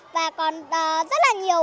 và còn rất là nhiều